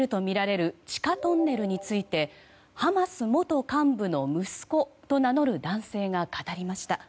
人質が拘束されているとみられる地下トンネルについてハマス元幹部の息子と名乗る男性が語りました。